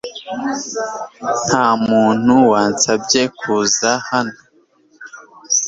Nta muntu wansabye kuza hano